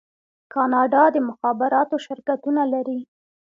کاناډا د مخابراتو شرکتونه لري.